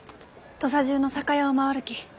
土佐中の酒屋を回るき。